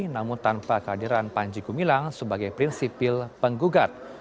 namun tanpa kehadiran panji gumilang sebagai prinsipil penggugat